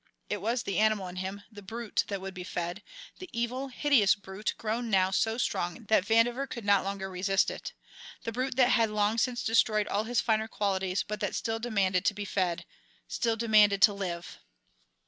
It was the animal in him, the brute, that would be fed, the evil, hideous brute grown now so strong that Vandover could not longer resist it the brute that had long since destroyed all his finer qualities but that still demanded to be fed, still demanded to live.